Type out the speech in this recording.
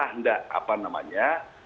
hendak apa namanya